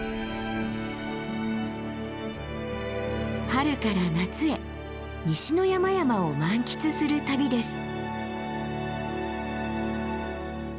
春から夏へ西の山々を満喫する旅です。